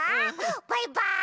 バイバーイ！